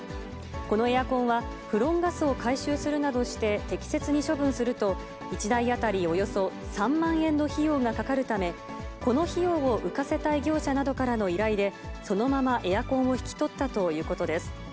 このエアコンは、フロンガスを回収するなどして適切に処分すると、１台当たりおよそ３万円の費用がかかるため、この費用を浮かせたい業者などからの依頼で、そのままエアコンを引き取ったということです。